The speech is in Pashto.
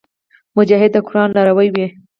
مجاهد د قران لاروي وي.